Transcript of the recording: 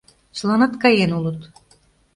Чыланат каен улыт...